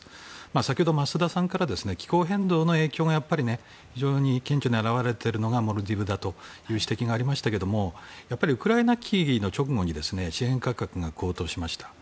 先ほど増田さんから気候変動の問題がやっぱり非常に顕著に表れているのがモルディブだという指摘がありましたがウクライナ危機の直後に資源価格が高騰しました。